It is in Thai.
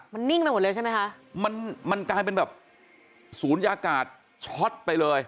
มันนิ่งไปหมดเลยใช่ไหมคะมันมันกลายเป็นแบบศูนยากาศช็อตไปเลย